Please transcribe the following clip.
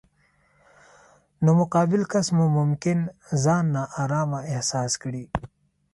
نو مقابل کس مو ممکن ځان نا ارامه احساس کړي.